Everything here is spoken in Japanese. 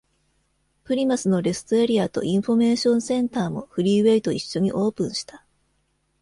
プリマスのレストエリアとインフォメーションセンターもフリーウェイと一緒にオープンした。